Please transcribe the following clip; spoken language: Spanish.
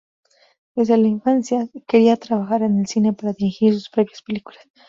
Desde la infancia quería trabajar en el cine para dirigir sus propias películas.